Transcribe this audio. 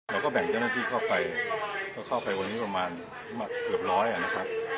เราก็แบ่งเจ้าหน้าที่เข้าไปวันนี้เกือบ๑๐๐นะครับ